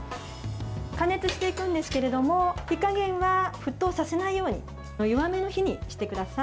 加熱していくんですけれども火加減は沸騰させないように弱めの火にしてください。